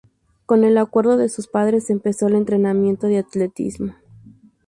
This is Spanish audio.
Con el acuerdo de sus padres, empezó el entrenamiento de atletismo.